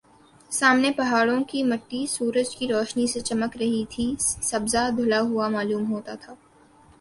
سامنے پہاڑوں کی مٹی سورج کی روشنی سے چمک رہی تھی سبزہ دھلا ہوا معلوم ہوتا تھا